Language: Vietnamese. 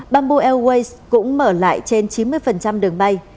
bamboo airways cũng mở lại trên chín mươi đường bay